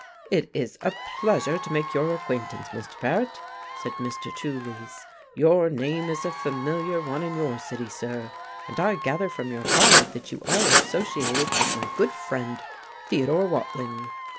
"It is a pleasure to make your acquaintance, Mr. Paret," said Mr. Trulease. "Your name is a familiar one in your city, sir. And I gather from your card that you are associated with my good friend, Theodore Watling."